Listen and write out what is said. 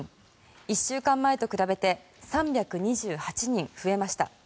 １週間前と比べて３２８人増えました。